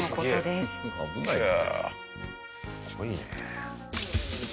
すごいね。